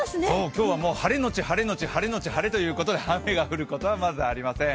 今日は晴れのち晴れのち晴れのち晴れということで雨が降ることは、まずありません。